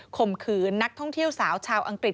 ข่มขืนนักท่องเที่ยวสาวชาวอังกฤษ